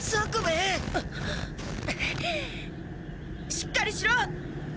しっかりしろ！